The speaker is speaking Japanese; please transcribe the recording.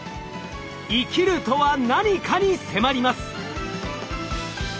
生きるとは何かに迫ります。